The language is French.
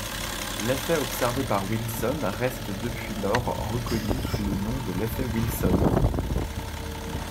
L'effet observé par Wilson reste depuis lors reconnu sous le nom de l'effet Wilson.